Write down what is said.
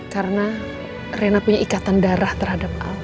karena rena punya ikatan darah terhadap allah